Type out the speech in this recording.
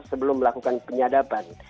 sebelum melakukan penyadaban